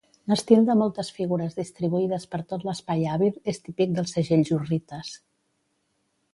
L'estil de moltes figures distribuïdes per tot l'espai hàbil és típic dels segells hurrites.